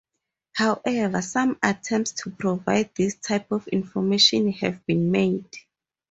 However, some attempts to provide this type of information have been made.